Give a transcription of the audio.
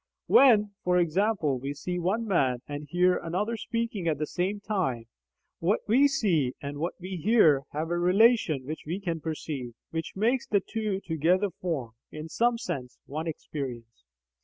When (for example) we see one man and hear another speaking at the same time, what we see and what we hear have a relation which we can perceive, which makes the two together form, in some sense, one experience.